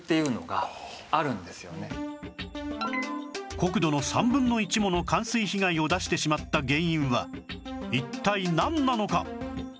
国土の３分の１もの冠水被害を出してしまった原因は一体なんなのか？